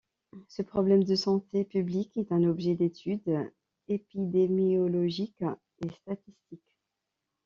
Ce problème de santé publique est un objet d'étude épidémiologique et statistique.